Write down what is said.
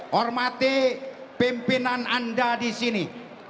hormati pimpinan anda di sini